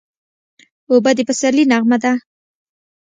اوبه د پسرلي نغمه ده.